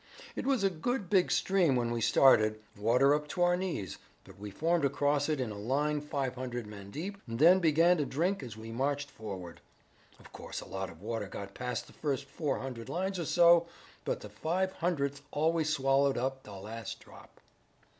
It was a good big stream when we started, water up to our knees, but we formed across it in a line five hundred men deep and then began to drink as we marched forward. Of course, a lot of water got past the first four hundred lines or so, but the five hundredth always swallowed up the last drop."